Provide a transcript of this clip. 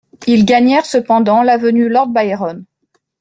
Ils gagnèrent cependant l'avenue Lord Byron.